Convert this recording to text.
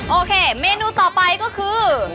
โอเคเมนูต่อไปก็คือ